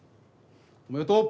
おめでとう。